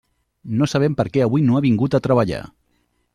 No sabem per què avui no ha vingut a treballar.